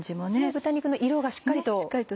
豚肉の色がしっかりと。